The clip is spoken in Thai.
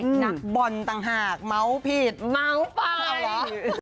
หนักบอนต่างหากเมาส์ผีดน้องต่างหา